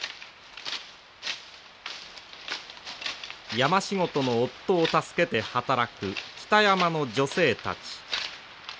山仕事の夫を助けて働く北山の女性たち。